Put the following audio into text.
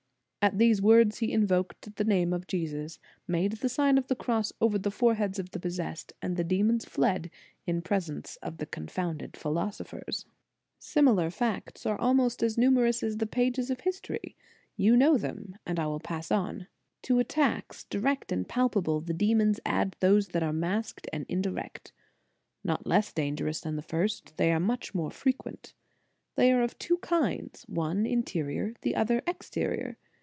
At these words he invoked the name of Jesus, made the Sioqi of the Cross over the foreheads of o the possessed, and the demons fled, in pre sence of the confounded philosophers.* Similar facts are almost as numerous as the pages of history. You know them, and I will pass on. To attacks, direct and palpable, the demons add those that are masked and indirect. Not less dangerous than the first, they are much more frequent. They are of two kinds; one, interior; the other, exterior.